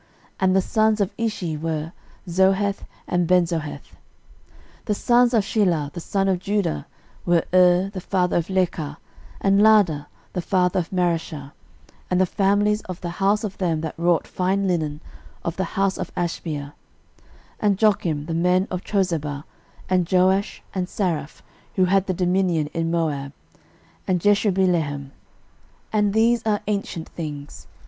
And the sons of Ishi were, Zoheth, and Benzoheth. 13:004:021 The sons of Shelah the son of Judah were, Er the father of Lecah, and Laadah the father of Mareshah, and the families of the house of them that wrought fine linen, of the house of Ashbea, 13:004:022 And Jokim, and the men of Chozeba, and Joash, and Saraph, who had the dominion in Moab, and Jashubilehem. And these are ancient things.